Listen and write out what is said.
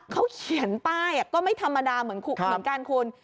เขาเขียนป้ายก็ไม่ธรรมดาเหมือนกันคุณ